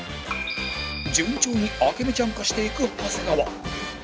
順調に朱美ちゃん化していく長谷川